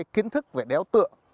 kiến thức về đéo tượng